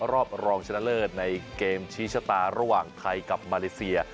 รอบรองชนะเลิศในเกมชี้ชะตาระหว่างไทยกับมาเลเซีย